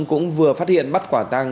cũng vừa phát hiện bắt quả tăng